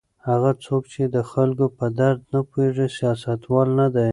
هغه څوک چې د خلکو په درد نه پوهیږي سیاستوال نه دی.